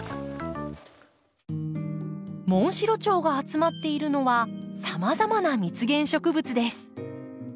モンシロチョウが集まっているのはさまざまな蜜源植物です。